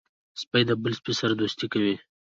سپي د بل سپي سره دوستي کوي.